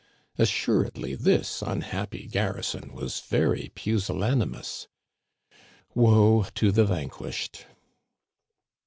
Assuredly this unhappy garrison was very pusillanimous ! Woe to the vanquished